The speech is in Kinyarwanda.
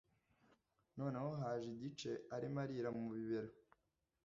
noneho haje igice arimo arira mu bibero